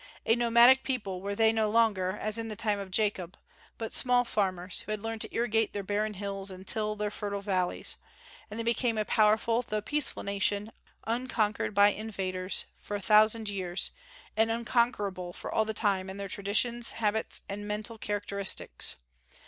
A nomadic people were they no longer, as in the time of Jacob, but small farmers, who had learned to irrigate their barren hills and till their fertile valleys; and they became a powerful though peaceful nation, unconquered by invaders for a thousand years, and unconquerable for all time in their traditions, habits, and mental characteristics.